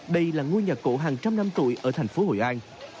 đây là ngôi nhà cổ hàng trăm năm tuổi ở thành phố hội an